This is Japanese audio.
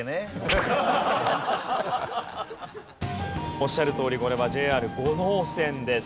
おっしゃるとおりこれはＪＲ五能線です。